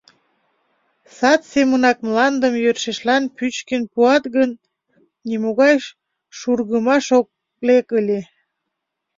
Сад семынак мландым йӧршешлан пӱчкын пуат гын, нимогай шургымаш ок лек ыле.